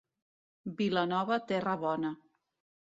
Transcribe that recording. Vilanova, terra bona.